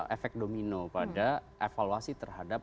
efek domino pada evaluasi terhadap